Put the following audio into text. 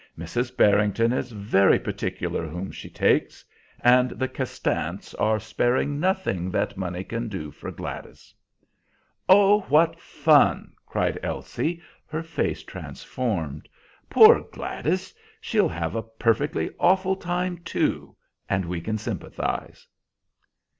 Mrs. Barrington is very particular whom she takes, and the Castants are sparing nothing that money can do for Gladys." "Oh, what fun!" cried Elsie, her face transformed. "Poor Gladys! she'll have a perfectly awful time too, and we can sympathize."